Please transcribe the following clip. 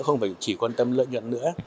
không phải chỉ quan tâm đến lợi nhuận nữa